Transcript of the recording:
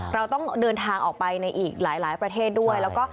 เราต้องเดินทางออกไปในอีกหลายประเทศด้วยแล้วก็